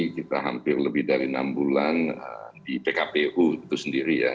kita hampir lebih dari enam bulan di pkpu itu sendiri ya